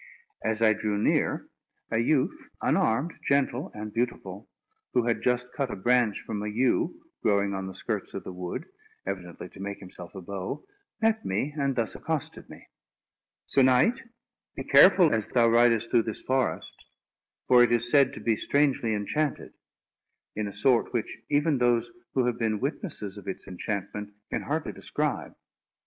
As I drew near, a youth, unarmed, gentle, and beautiful, who had just cut a branch from a yew growing on the skirts of the wood, evidently to make himself a bow, met me, and thus accosted me: "Sir knight, be careful as thou ridest through this forest; for it is said to be strangely enchanted, in a sort which even those who have been witnesses of its enchantment can hardly describe."